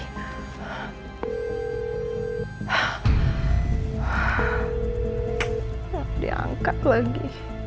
nggak diangkat lagi